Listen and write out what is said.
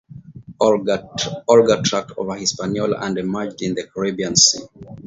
Olga tracked over Hispaniola and emerged in the Caribbean Sea.